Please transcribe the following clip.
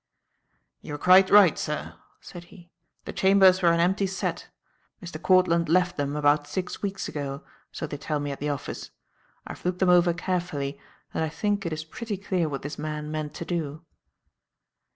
"You were quite right, sir," said he. "The chambers were an empty set. Mr. Courtland left them about six weeks ago, so they tell me at the office. I've looked them over carefully, and I think it is pretty clear what this man meant to do."